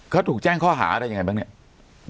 เขาถูกแจ้งข้อหาอะไรยังไงบ้างเนี่ย